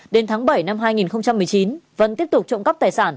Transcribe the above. đến tháng bảy năm hai nghìn một mươi chín vân tiếp tục trộm cắp tài sản